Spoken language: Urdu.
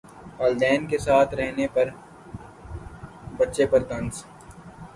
والدین کے ساتھ رہنے پر ابھیشیک بچن پر طنز